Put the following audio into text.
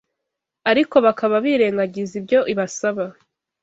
ariko bakaba birengagiza ibyo ibasaba: